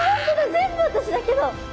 全部私だけど。